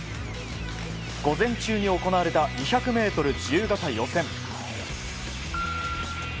午前中に行われた２００ｍ自由形予選。